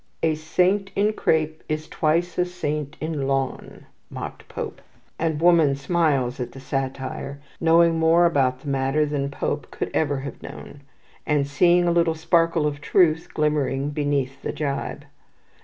] "A saint in crape is twice a saint in lawn," mocked Pope; and woman smiles at the satire, knowing more about the matter than Pope could ever have known, and seeing a little sparkle of truth glimmering beneath the gibe.